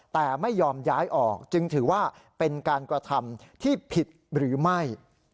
แต่ไม่ยอมย้ายออกจึงถือว่าเป็นการกระทำที่ผิดหรือไม่